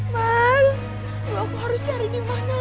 mas aku harus cari dimana lagi